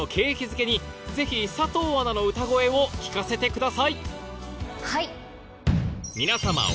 づけにぜひ佐藤アナの歌声を聞かせてください！